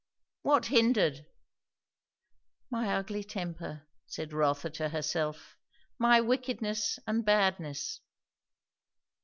What hindered? "My ugly temper," said Rotha to herself; "my wickedness and badness."